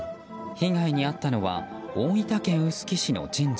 被害に遭ったのは大分県臼杵市の神社。